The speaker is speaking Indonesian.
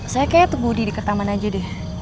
saya kayaknya tunggu di dekat taman aja deh